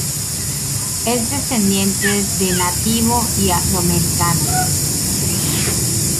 Es descendiente de nativo y afroamericano.